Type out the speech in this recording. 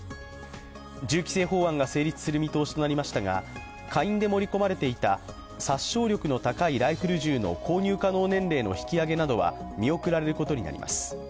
銃規制法案が成立する見通しとなりましたが下院で盛り込まれていた殺傷力の高いライフル銃の購入可能年齢の引き上げなどは見送られることになります。